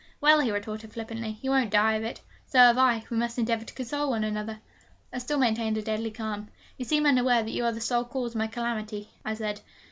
'Well,' he retorted flippantly, 'you won't die of it. So have I. We must endeavour to console one another!' I still maintained a deadly calm. 'You seem unaware that you are the sole cause of my calamity,' I said.